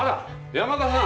山田さん。